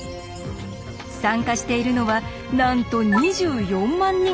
参加しているのはなんと２４万人！